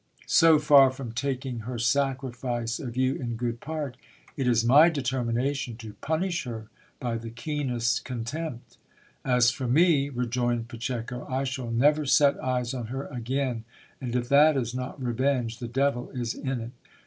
So far from taking her sacrifice of you in good part, it is my determination to punish her by the keenest contempt. As for me, rejoined Pacheco, I shall never set eyes on her again ; and if that is not revenge, the devil is in it.